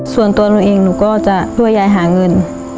ส่วนตัวหนูเองหนูก็จะช่วยยายหาเงิน